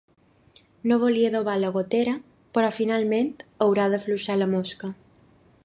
No volia adobar la gotera, però finalment haurà d'afluixar la mosca.